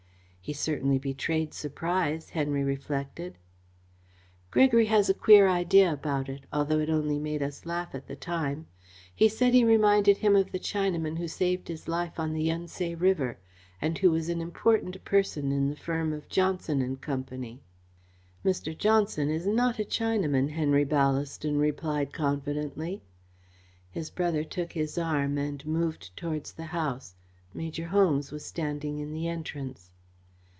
"He certainly betrayed surprise," Henry reflected. "Gregory has a queer idea about it, although it only made us laugh at the time. He said he reminded him of the Chinaman who saved his life on the Yun Tse River, and who was an important person in the firm of Johnson and Company." "Mr. Johnson is not a Chinaman," Henry Ballaston replied confidently. His brother took his arm and moved towards the house. Major Holmes was standing in the entrance.